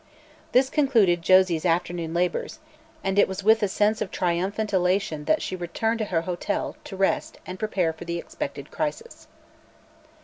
This concluded Josie's afternoon labors, and it was with a sense of triumphant elation that she returned to her hotel to rest and prepare for the expected crisis.